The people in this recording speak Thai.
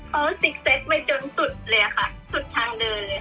เขาซิกเซ็กไปจนสุดเลยค่ะสุดทางเดินเลยค่ะ